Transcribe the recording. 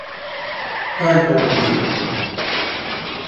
Kaj to pomeni?